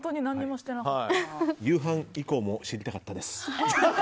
夕飯以降も知りたかったです。